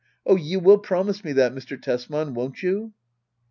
Oh, you will promise me that, Mr, Tesman — won't you